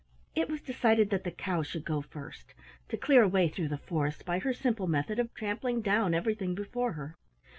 It was decided that the Cow should go first, to clear a way through the forest by her simple method of trampling down everything before her.